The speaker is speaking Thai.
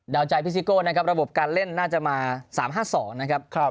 เดาใจพิซิโกนะครับระบบการเล่นน่าจะมาสามห้าสองนะครับครับ